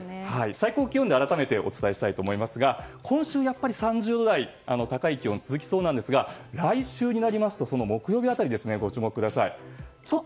最高気温で改めてお伝えしたいと思いますが今週、やっぱり３０度台高い気温が続きそうですが来週になりますと木曜日辺りご注目ください。